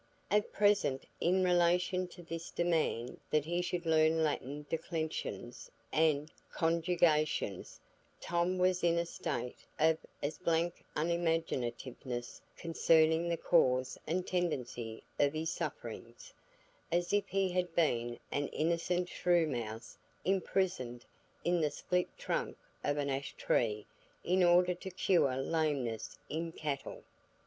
At present, in relation to this demand that he should learn Latin declensions and conjugations, Tom was in a state of as blank unimaginativeness concerning the cause and tendency of his sufferings, as if he had been an innocent shrewmouse imprisoned in the split trunk of an ash tree in order to cure lameness in cattle.